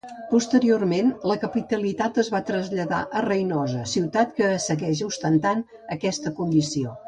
Posteriorment, la capitalitat es va traslladar a Reinosa, ciutat que segueix ostentant aquesta condició.